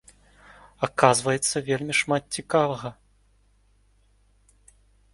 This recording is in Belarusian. Аказваецца, вельмі шмат цікавага.